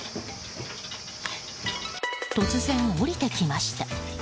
突然、下りてきました。